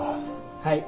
はい。